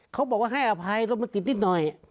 เขาบอกว่าให้อภัยรถมันติดนิดหน่อย